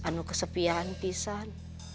anu kesepian pisah